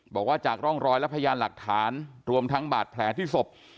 บอกว่าจากร่องรอยและพยานหลักฐานรวมทั้งบาดแผลที่ศพ